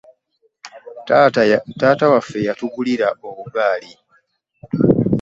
Taata waffe yatugulira obugaali.